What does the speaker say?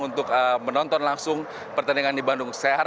untuk menonton langsung pertandingan di bandung